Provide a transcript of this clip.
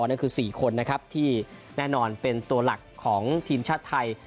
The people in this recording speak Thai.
นั่นคือ๔คนนะครับที่แน่นอนเป็นตัวหลักของทีมชาติไทย